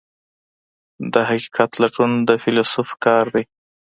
د حقیقت لټون د فیلسوف کار دی.